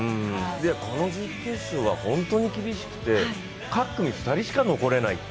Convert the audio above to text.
この準決勝は本当に厳しくて各組２人しか残れない。